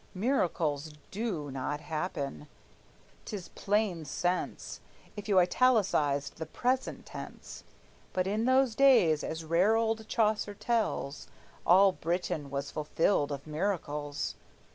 "Miracles do not happen:" 't is plain sense, If you italicize the present tense; But in those days, as rare old Chaucer tells, All Britain was fulfilled of miracles.